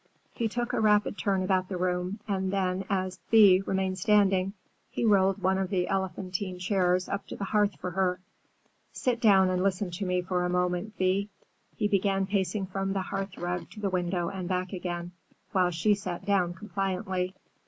He took a rapid turn about the room and then as Thea remained standing, he rolled one of the elephantine chairs up to the hearth for her. "Sit down and listen to me for a moment, Thea." He began pacing from the hearthrug to the window and back again, while she sat down compliantly.